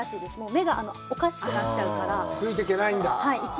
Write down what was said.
目がおかしくなっちゃうから。